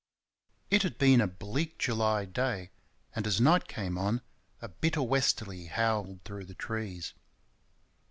It had been a bleak July day, and as night came on a bitter westerly howled through the trees.